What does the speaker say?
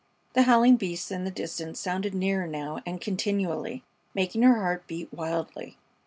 The howling beasts in the distance sounded nearer now and continually, making her heart beat wildly.